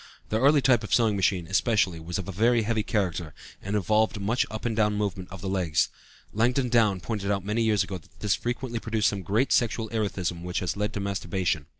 The early type of sewing machine, especially, was of very heavy character and involved much up and down movement of the legs; Langdon Down pointed out many years ago that this frequently produced great sexual erethism which led to masturbation.